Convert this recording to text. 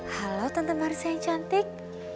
halo tante marisa yang cantik